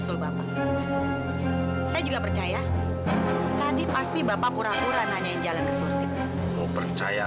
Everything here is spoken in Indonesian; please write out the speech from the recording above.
sampai jumpa di video selanjutnya